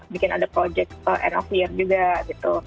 bikin ada project end of year juga gitu